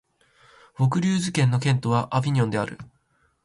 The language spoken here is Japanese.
ヴォクリューズ県の県都はアヴィニョンである